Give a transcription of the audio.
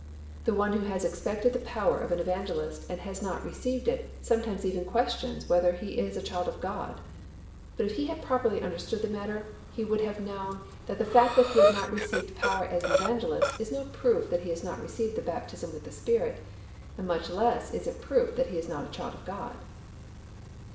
The one who has expected the power of an evangelist and has not received it sometimes even questions whether he is a child of God. But if he had properly understood the matter, he would have known that the fact that he had not received power as an evangelist is no proof that he has not received the baptism with the Spirit, and much less is it a proof that he is not a child of God.